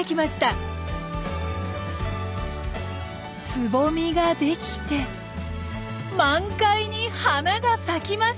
つぼみができて満開に花が咲きました！